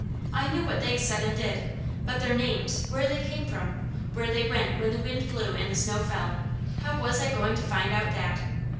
I knew what they said and did, but their names, where they came from, where they went when the wind blew and the snow fell how was I going to find out that?